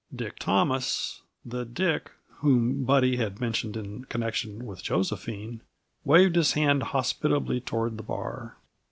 Dick Thomas the Dick whom Buddy had mentioned in connection with Josephine waved his hand hospitably toward the bar.